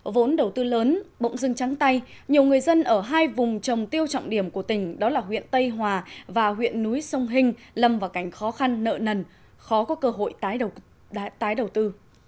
vốn đầu tư lớn bỗng dưng trắng tay nhiều người dân ở hai vùng trồng tiêu trọng điểm của tỉnh đó là huyện tây hòa và huyện núi sông hình lâm vào cảnh khó khăn nợ nần khó có cơ hội tái đầu tư